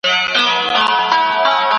د احمد شاه ابدالي د ګوتي حلقه څه مانا لرله؟